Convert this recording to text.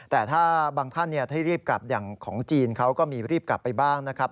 แต่ถ้าบางท่านให้รีบกลับอย่างของจีนเขาก็มีรีบกลับไปบ้างนะครับ